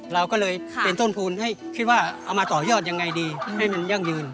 เราก็เลยเป็นต้นทุนให้คิดว่าเอามาต่อยอดยังไงดีให้มันยั่งยืน